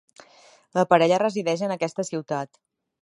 La parella resideix en aquesta ciutat.